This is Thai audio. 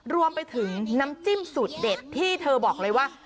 รวมไปถึงน้ำจิ้มสูตรเด็ดที่เธอบอกเลยว่า